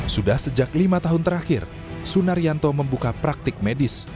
sudah sejak lima tahun terakhir sunaryanto membuka praktik medis